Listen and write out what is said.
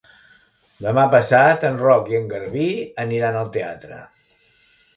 Demà passat en Roc i en Garbí aniran al teatre.